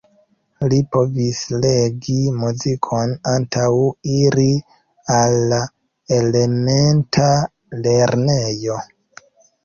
Li povis legi muzikon antaŭ iri al la elementa lernejo.